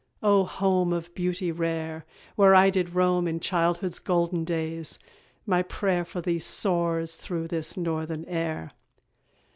O home Of beauty rare, where I did roam In childhood's golden days, my pray'r For thee soars through this northern air.